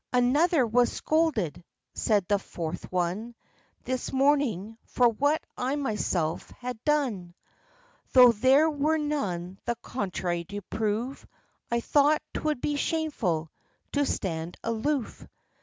" Another was scolded," said the fourth one, "This morning, for what I myself had done. Though there were none the contrary to prove, I thought 'twould be shameful to stand aloof; OF CHANTICLEER.